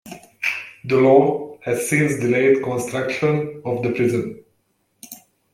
The law has since delayed construction of the prison.